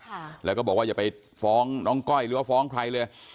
ค่ะแล้วก็บอกว่าอย่าไปฟ้องน้องก้อยหรือว่าฟ้องใครเลย